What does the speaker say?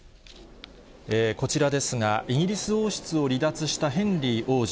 こちらですが、イギリス王室を離脱したヘンリー王子。